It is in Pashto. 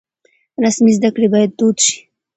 رسمي زده کړې بايد دود شي.